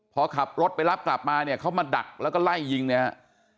พอขับรถไปรับกลับมาเนี่ยเขามาดักแล้วก็ไล่ยิงเนี่ยฮะ